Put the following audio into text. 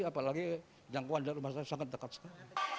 apalagi jangkauan dari rumah saya sangat dekat sekali